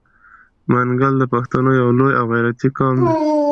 منګل د پښتنو یو لوی او غیرتي قوم دی.